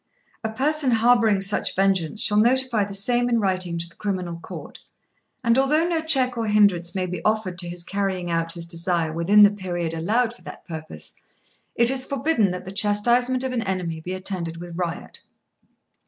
"A person harbouring such vengeance shall notify the same in writing to the Criminal Court; and although no check or hindrance may be offered to his carrying out his desire within the period allowed for that purpose, it is forbidden that the chastisement of an enemy be attended with riot.